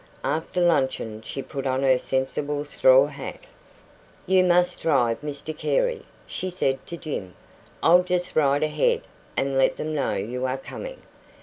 After luncheon she put on her sensible straw hat. "You must drive Mr Carey," she said to Jim. "I'll just ride ahead, and let them know you are coming."